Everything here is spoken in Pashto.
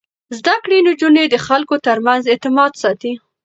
زده کړې نجونې د خلکو ترمنځ اعتماد ساتي.